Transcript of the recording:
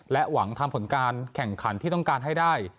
หวังทำผลการแข่งขันที่ต้องการให้ได้